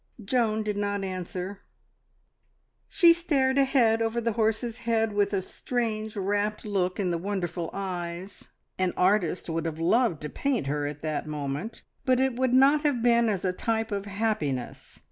Joan did not answer. She stared ahead over the horse's head with a strange, rapt look in the wonderful eyes. An artist would have loved to paint her at that moment, but it would not have been as a type of happiness.